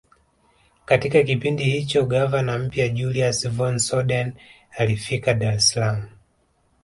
Katika kipindi hicho gavana mpya Julius von Soden alifika Dar es salaam